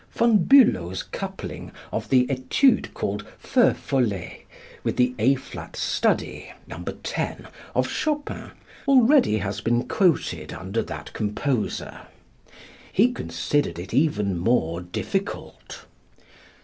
Von Bülow's coupling of the Étude called "Feux Follets" with the A flat study (No. 10) of Chopin already has been quoted under that composer. He considered it even more difficult.